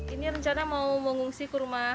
ini rencana mau mengungsi ke rumah